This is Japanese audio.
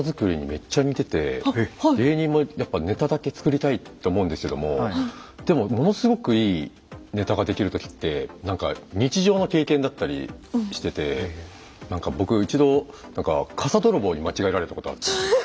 芸人もやっぱネタだけつくりたいって思うんですけどもでもものすごくいいネタができる時ってなんか日常の経験だったりしててなんか僕一度なんか傘泥棒に間違えられたことあって。